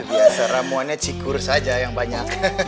biasa ramuannya cikur saja yang banyak